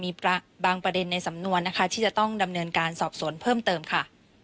มีบางประเด็นในสำนวนนะคะที่จะต้องดำเนินการสอบสวนเพิ่มเติมค่ะ